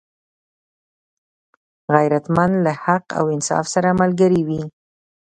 غیرتمند له حق او انصاف سره ملګری وي